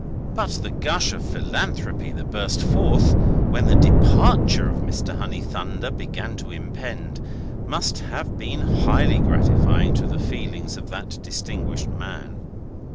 But the gush of philanthropy that burst forth when the departure of Mr. Honeythunder began to impend, must have been highly gratifying to the feelings of that distinguished man.